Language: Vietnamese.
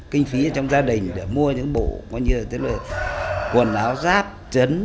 kinh phí trong gia đình để mua những bộ quần áo giáp trấn